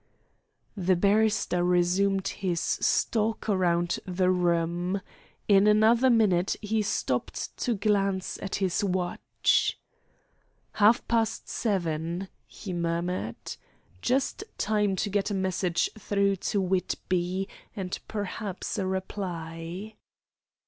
The barrister resumed his stalk round the room. In another minute he stopped to glance at his watch. "Half past seven," he murmured. "Just time to get a message through to Whitby, and perhaps a reply."